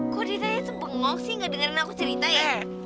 kok dia tadi tuh bengong sih gak dengerin aku cerita ya